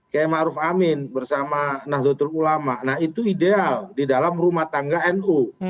kayak maruf amin bersama nahdlatul ulama nah itu ideal di dalam rumah tangga nu